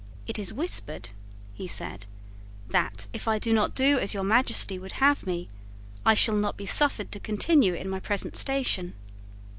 "It is whispered," he said, "that, if I do not do as your Majesty would have me, I shall not be suffered to continue in my present station."